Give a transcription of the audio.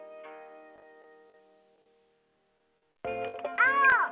あお！